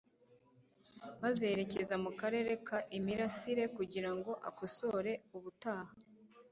maze yerekeza mu karere ka imirasire kugira ngo akosore ubutaha,